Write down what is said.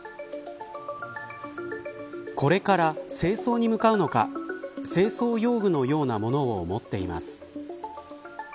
これから清掃に向かうのか清掃用具のような物を持っています。